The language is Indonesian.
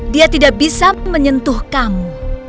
dia tidak bisa menyentuhmu